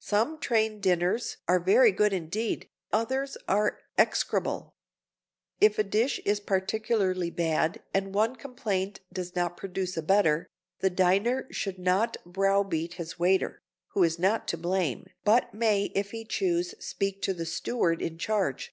Some train dinners are very good indeed, others are execrable. If a dish is particularly bad and one complaint does not produce a better, the diner should not brow beat his waiter—who is not to blame—but may if he choose speak to the steward in charge.